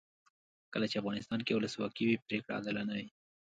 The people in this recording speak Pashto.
کله چې افغانستان کې ولسواکي وي پرېکړې عادلانه وي.